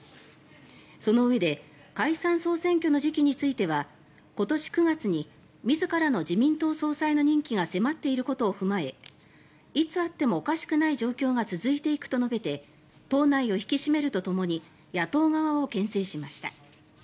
そのうえで解散・総選挙の時期については今年９月に自らの自民党総裁の任期が迫っていることを踏まえいつあってもおかしくない状況が続いていくと述べて党内を引き締めるとともに野党側をけん制しました。